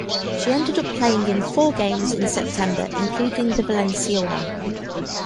She ended up playing in four games in September including the Valencia one.